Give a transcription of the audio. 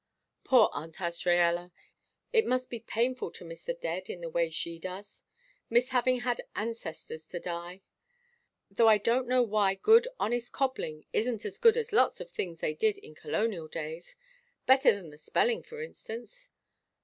Poor Aunt Azraella! It must be painful to miss the dead in the way she does! Miss having had ancestors to die. Though I don't know why good honest cobbling isn't as good as lots of things they did in colonial days better than the spelling, for instance.